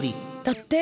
だって。